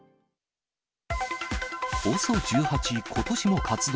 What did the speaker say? ＯＳＯ１８ことしも活動。